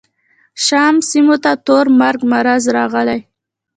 شام سیمو ته تور مرګ مرض راغلی.